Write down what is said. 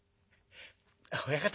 「親方